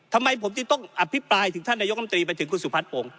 ทำไมผมจึงต้องอภิปรายถึงท่านนายกรรมตรีไปถึงคุณสุพัฒนภง